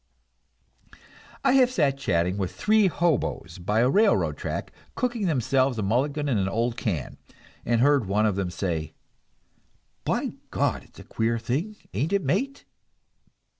I have sat chatting with three hoboes by a railroad track, cooking themselves a mulligan in an old can, and heard one of them say: "By God, it's a queer thing, ain't it, mate?"